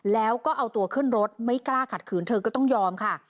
แล้วก็เอาตัวขึ้นรถไม่กล้าขัดขืนเธอก็ต้องยอมค่ะ